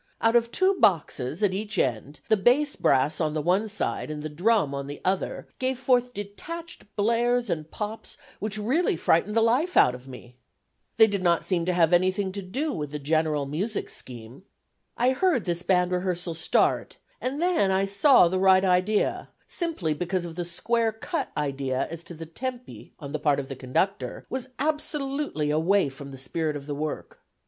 Out of two boxes at each end the bass brass on the one side and the drum on the other gave forth detached blares and pops which really frightened the life out of me. They did not seem to have anything to do with the general musical scheme. I heard this band rehearsal start, and then I saw that the right idea, simply because of the square cut idea as to the tempi on the part of the conductor was absolutely away from the spirit of the work.